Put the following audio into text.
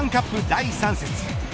第３節。